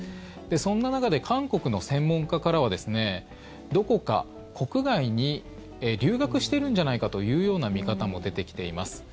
そんな中で韓国の専門家からはどこか国外に留学してるんじゃないかというような見方も出てきています。